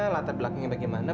latar belakangnya bagaimana